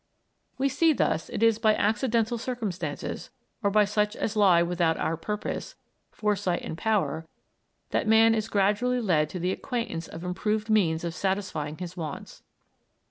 We see, thus, it is by accidental circumstances, or by such as lie without our purpose, foresight, and power, that man is gradually led to the acquaintance of improved means of satisfying his wants.